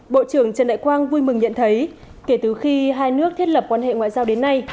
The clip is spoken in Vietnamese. bộ trưởng trần đại quang vui mừng nhận thấy kể từ khi hai nước thiết lập quan hệ ngoại giao đến nay